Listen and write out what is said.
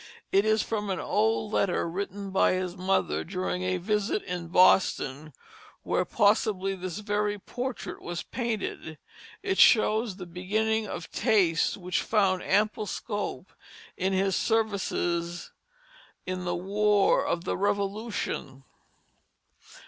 It is from an old letter written by his mother, during a visit in Boston, where possibly this very portrait was painted. It shows the beginning of tastes which found ample scope in his services in the war of the Revolution.